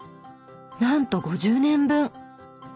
なんと５０年分！